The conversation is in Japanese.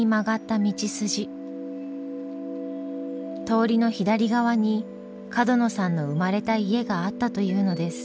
通りの左側に角野さんの生まれた家があったというのです。